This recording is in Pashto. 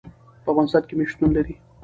په افغانستان کې مېوې شتون لري.